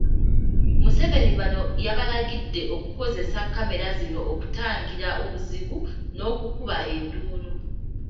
Museveni bano yabalagidde okukozesa kkamera zino okutangira obuzibu n’okukuba enduulu.